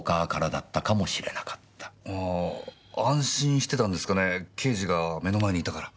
あぁ安心してたんですかね刑事が目の前にいたから。